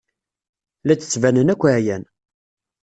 La d-ttbanen akk ɛyan.